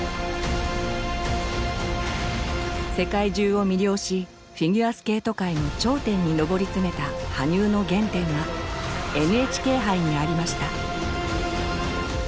世界中を魅了しフィギュアスケート界の頂点に上り詰めた羽生の原点がＮＨＫ杯にありました。